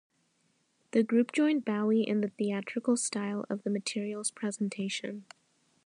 The group joined Bowie in the theatrical style of the material's presentation.